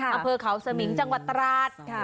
อะเฟ้อเขาเสมิงจังวะตราช